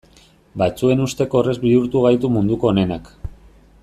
Batzuen ustez horrek bihurtu gaitu munduko onenak.